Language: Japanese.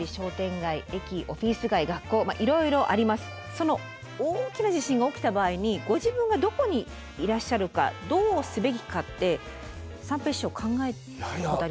その大きな地震が起きた場合にご自分がどこにいらっしゃるかどうすべきかって三平師匠考えたことはありますか？